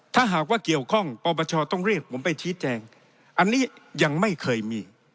ถ้าหากว่าเกี่ยวข้องปปชต้องเรียกผมไปชี้แจงอันนี้ยังไม่เคยมี